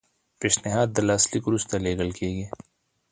پیشنهاد د لاسلیک وروسته لیږل کیږي.